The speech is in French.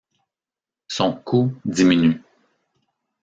Son coût diminue.